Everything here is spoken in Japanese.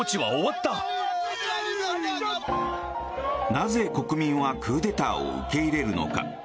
なぜ、国民はクーデターを受け入れるのか。